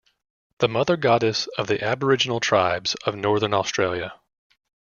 The mother goddess of the aboriginal tribes of northern Australia.